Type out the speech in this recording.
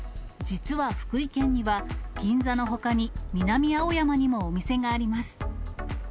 実は福井県には、銀座のほかに南青山にもお店があります。